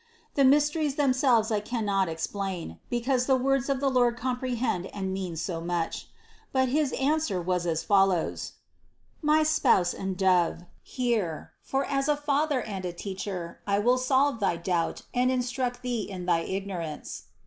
The mysteries themselves I cannot explain, because the words of the Lord compre hend and mean so much. But his answer was as follows: "My spouse and dove, hear : for as a Father and a Teacher I will solve thy doubt and instruct thee in thy ignorance.